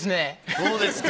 そうですか。